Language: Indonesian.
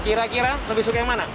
kira kira lebih suka yang mana